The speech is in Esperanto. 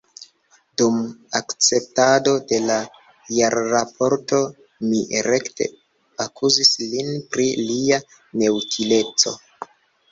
Dum akceptado de la jarraporto mi rekte akuzis lin pri lia neutileco.